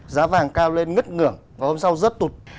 giá vàng cao lên ngất ngưỡng và hôm sau rớt tụt